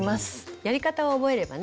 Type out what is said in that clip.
やり方を覚えればね